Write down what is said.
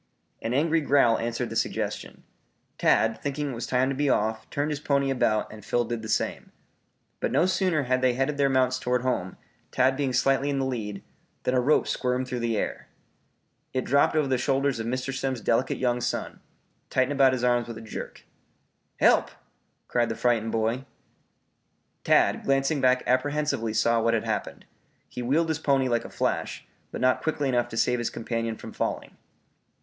An angry growl answered the suggestion. Tad thinking it was time to be off, turned his pony about and Phil did the same. But no sooner had they headed their mounts toward home, Tad being slightly in the lead, than a rope squirmed through the air. It dropped over the shoulders of Mr. Simms' delicate young son, tightened about his arms with a jerk. "Help!" cried the frightened boy. Tad, glancing back apprehensively saw what had happened. He wheeled his pony like a flash, but not quickly enough to save his companion from falling.